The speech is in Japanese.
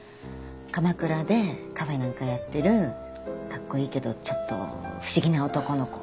鎌倉でカフェなんかやってるカッコイイけどちょっと不思議な男の子みたいな。